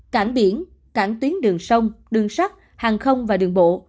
cảng biển cảng tuyến đường sông đường sắt hàng không và đường bộ